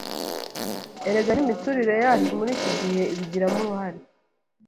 Erega n'imiturire yacu muri iki gihe ibigiramo uruhare